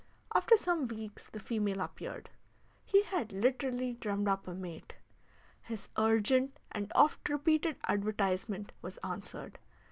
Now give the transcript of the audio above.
After some weeks the female appeared; he had literally drummed up a mate; his urgent and oft repeated advertisement was answered.